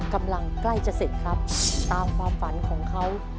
ใกล้จะเสร็จครับตามความฝันของเขา